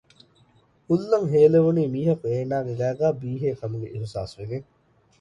ހުލް އަށް ހޭލެވުނީ މީހަކު އޭނާގެ ގައިގައި ބީހޭ ކަމުގެ އިހުސާސްވެގެން